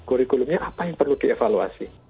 kurikulumnya apa yang perlu dievaluasi